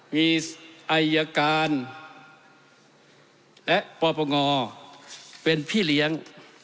มีอายการและปปงเป็นพี่เลี้ยง